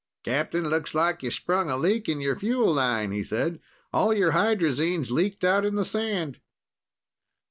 "Captain, looks like you sprung a leak in your fuel line," he said. "All your hydrazine's leaked out in the sand."